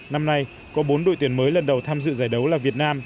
năm nay có bốn đội tuyển mới lần đầu tham dự giải đấu là việt nam